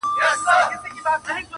• تل به تهمتونه د زندان زولنې نه ویني -